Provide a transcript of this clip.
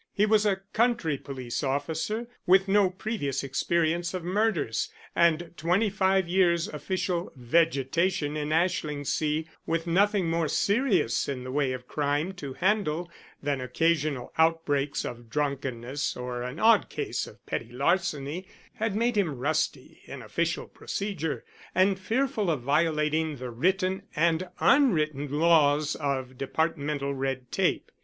He was a country police officer with no previous experience of murders, and twenty five years' official vegetation in Ashlingsea, with nothing more serious in the way of crime to handle than occasional outbreaks of drunkenness or an odd case of petty larceny, had made him rusty in official procedure, and fearful of violating the written and unwritten laws of departmental red tape.